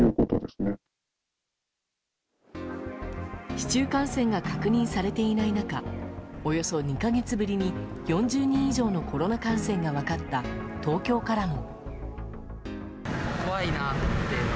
市中感染が確認されていない中およそ２か月ぶりに４０人以上のコロナ感染が分かった東京からも。